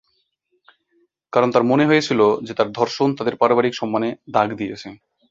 কারণ তার মনে হয়েছিল যে তার ধর্ষণ তাদের পারিবারিক সম্মানে দাগ দিয়েছে।